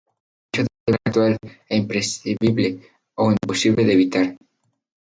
El hecho debe ser actual e imprevisible o imposible de evitar.